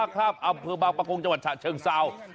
อำเภอบางประกงจังหวัดชะเชิงซาว